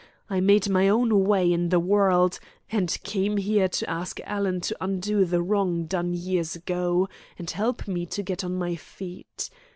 I made my own way in the world, and came here to ask Alan to undo the wrong done years ago, and help me to get on my feet.